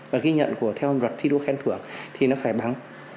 và ghi nhận của theo luật thi đua khen thưởng thì nó phải bằng